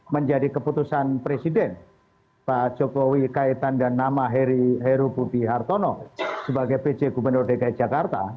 menjadi keputusan presiden pak jokowi kaitan dan nama heru budi hartono sebagai pj gubernur dki jakarta